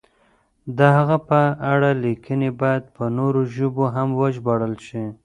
د هغه په اړه لیکنې باید په نورو ژبو هم وژباړل شي.